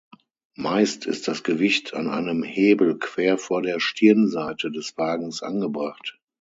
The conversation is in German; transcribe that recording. Meist ist das Gewicht an einem Hebel quer vor der Stirnseite des Wagens angebracht.